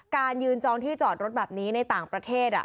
การยืนจองที่จอดรถแบบนี้ในต่างประเทศ